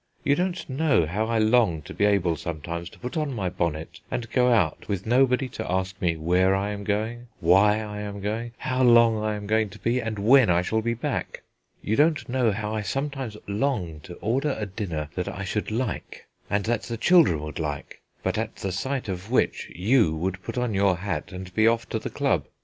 You don't know how I long to be able sometimes to put on my bonnet and go out, with nobody to ask me where I am going, why I am going, how long I am going to be, and when I shall be back. You don't know how I sometimes long to order a dinner that I should like and that the children would like, but at the sight of which you would put on your hat and be off to the Club.